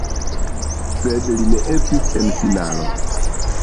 Sed li ne estis en finalo.